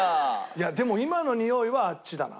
いやでも今のにおいはあっちだな。